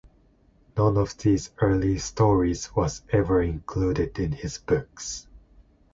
None of these early stories was ever included in his books.